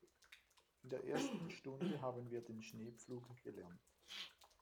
In der ersten Stunde haben wir den Schneepflug gelernt.